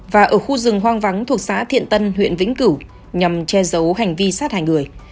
và ở khu rừng hoang vắng thuộc xã thiện tân huyện vĩnh cửu nhằm che giấu hành vi sát hại người